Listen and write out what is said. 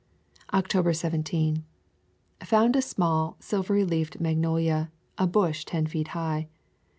October 17. Found a small, silvery leafed magnolia, a bush ten feet high.